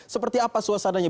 seperti apa suasananya